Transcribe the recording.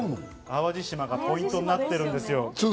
淡路島がポイントになってるんですよ。